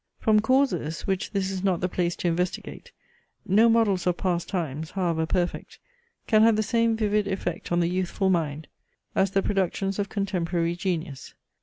From causes, which this is not the place to investigate, no models of past times, however perfect, can have the same vivid effect on the youthful mind, as the productions of contemporary genius.